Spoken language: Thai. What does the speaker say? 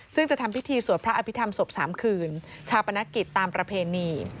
ซึ่งจะทำพิธีสวดพระอภิษฐรรมศพ๓คืนชาปนกิจตามประเพณี